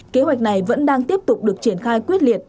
kế hoạch này vẫn đang tiếp tục được triển khai quyết liệt